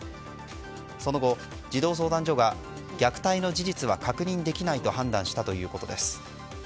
その後、児童相談所が虐待の事実は確認できないと判断したということです。